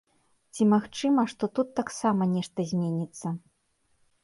Ці магчыма, што тут таксама нешта зменіцца?